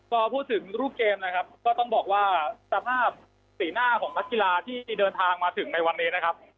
พอพูดถึงรูปเกมนะครับก็ต้องบอกว่าสภาพสีหน้าของนักกีฬาที่จะเดินทางมาถึงในวันนี้นะครับ